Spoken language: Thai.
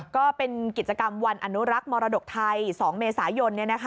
ก็เป็นอันุรักษณ์กิจกรรมวันมรดกไทย๒เมสายน